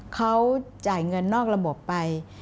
เขาจ่ายเงินนอกระบบไป